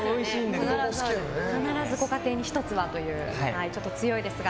必ずご家庭に１つはというちょっと強いですが。